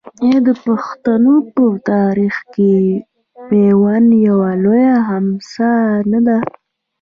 آیا د پښتنو په تاریخ کې میوند یوه لویه حماسه نه ده؟